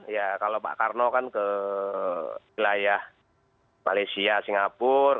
ya kalau pak karno kan ke wilayah malaysia singapura